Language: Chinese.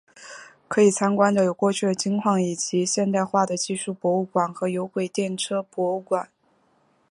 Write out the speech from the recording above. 可以参观的有过去的金矿以及现代化的技术博物馆和有轨电车博物馆。